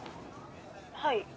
「はい」